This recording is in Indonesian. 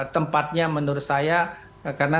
tempatnya menurut saya karena